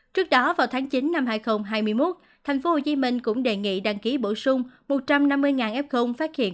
trước đó vào tháng chín năm hai nghìn hai mươi một tp hcm cũng đề nghị đăng ký bổ sung một trăm năm mươi f phát hiện